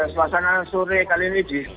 ya terima kasih pak kamaturi